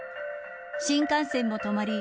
新幹線も止まり